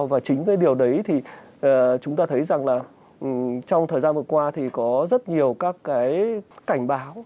và chính cái điều đấy thì chúng ta thấy rằng là trong thời gian vừa qua thì có rất nhiều các cái cảnh báo